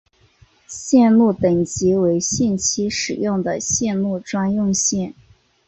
线路等级为限期使用的铁路专用线。